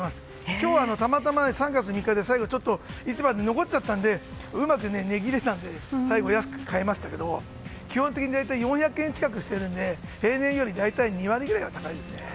今日は、たまたま３月３日で最後、市場に残っちゃったのでうまく値切れたので最後、安く買えましたけど基本的に大体４００円近くしているので平年より大体２割ぐらいは高いですね。